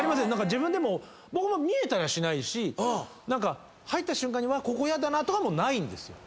自分でも僕も見えたりはしないし入った瞬間にうわっここヤダなとかもないんですよ。